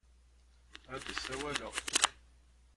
Ad d-sawaleɣ.